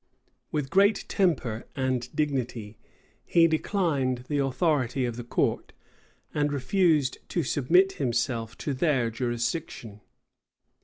With great temper and dignity, he declined the authority of the court, and refused to submit himself to their jurisdiction.